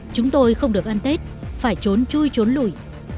chúng tôi không được ăn tết phải trốn chui trốn lũi